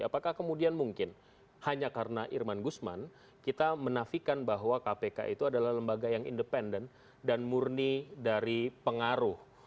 apakah kemudian mungkin hanya karena irman gusman kita menafikan bahwa kpk itu adalah lembaga yang independen dan murni dari pengaruh